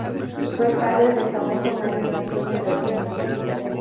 Fue padre del famoso marino Antonio de Oquendo.